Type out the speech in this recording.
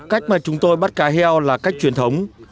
cách mà chúng tôi bắt cá heo là cách truyền thống